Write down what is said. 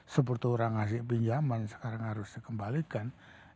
sepertura ngasih pinjaman sekarang harus dikembalikan